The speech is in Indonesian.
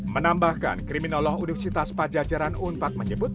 menambahkan kriminolog universitas pajajaran unpad menyebut